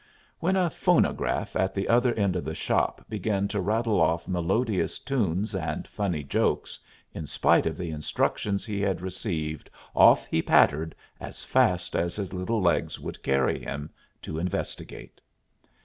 When a phonograph at the other end of the shop began to rattle off melodious tunes and funny jokes, in spite of the instructions he had received, off he pattered as fast as his little legs would carry him to investigate.